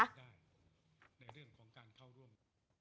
ในเรื่องของการเข้าร่วมจัดตั้งรัฐบาล